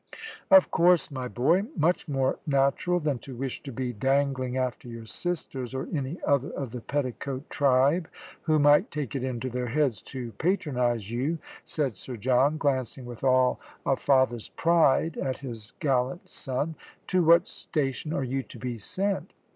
"Of course, my boy; much more natural than to wish to be dangling after your sisters, or any other of the petticoat tribe who might take it into their heads to patronise you," said Sir John, glancing with all a father's pride at his gallant son. "To what station are you to be sent?"